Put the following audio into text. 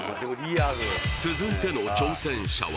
続いての挑戦者は